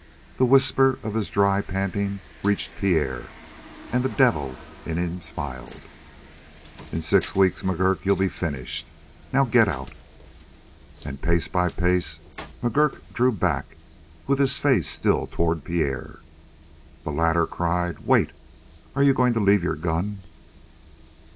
The whisper of his dry panting reached Pierre, and the devil in him smiled. "In six weeks, McGurk, you'll be finished. Now get out!" And pace by pace McGurk drew back, with his face still toward Pierre. The latter cried: "Wait. Are you going to leave your gun?"